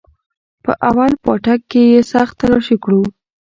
په اول پاټک کښې يې سخت تلاشي كړو.